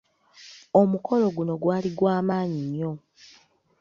Omukolo guno gwali gwa maanyi nnyo.